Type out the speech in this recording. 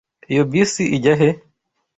Iyo bisi ijya he?